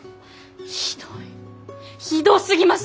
ひどいひどすぎます！